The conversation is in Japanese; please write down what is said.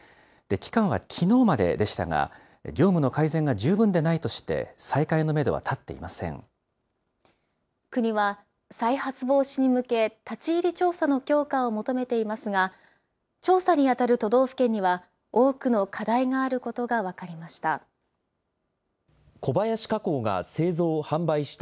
期間はきのうまででしたが、業務の改善が十分でないとして、国は、再発防止に向け、立ち入り調査の強化を求めていますが、調査に当たる都道府県には、多くの課題があることが分かりました。